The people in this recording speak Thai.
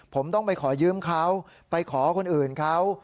ผมต้องไปขอยืมเขาไปขอคนอื่นเขา